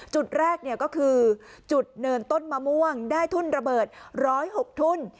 จุดแรกก็คือจุดเนินต้นมะม่วงได้ทุ่นระเบิด๑๐๖ทุ่น